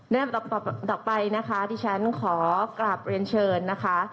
อันดับต่อไปนะคะที่ฉันขอกลับเรียนเชิญนะคะ